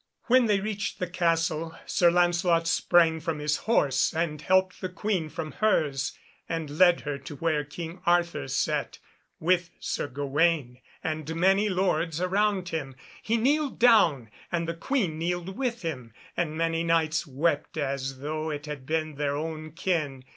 When they reached the castle, Sir Lancelot sprang from his horse and helped the Queen from hers, and led her to where King Arthur sat, with Sir Gawaine and many lords around him. He kneeled down, and the Queen kneeled with him, and many Knights wept as though it had been their own kin.